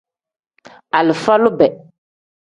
Alifa lube.